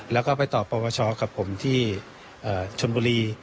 แล้วก็ไปต่อประวัติศาสตร์กับผมที่ชนบุรี